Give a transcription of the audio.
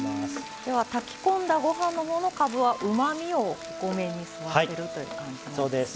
では炊き込んだご飯のほうのかぶはうまみをお米に吸わせるという感じなんですね。